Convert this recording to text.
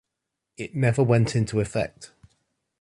It never went into effect.